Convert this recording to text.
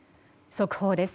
速報です。